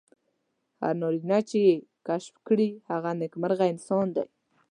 هر نارینه چې یې کشف کړي هغه نېکمرغه انسان دی.